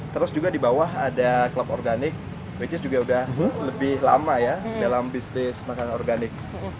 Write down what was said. terus juga di bawah ada klub organik which is juga udah lebih lama ya dalam bisnis makanan organik